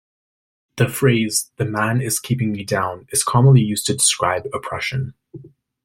The phrase "the Man is keeping me down" is commonly used to describe oppression.